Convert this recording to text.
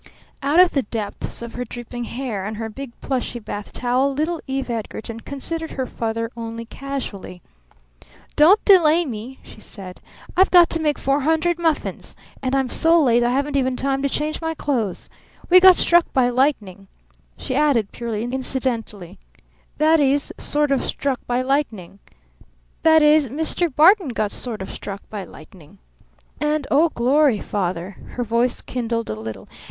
Out of the depths of her dripping hair and her big plushy bath towel little Eve Edgarton considered her father only casually. [Illustration: "Don't delay me!" she said, "I've got to make four hundred muffins."] "Don't delay me!" she said, "I've got to make four hundred muffins! And I'm so late I haven't even time to change my clothes! We got struck by lightning," she added purely incidentally. "That is sort of struck by lightning. That is, Mr. Barton got sort of struck by lightning. And oh, glory, Father!" her voice kindled a little.